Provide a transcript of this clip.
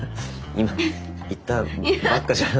今言ったばっかじゃん。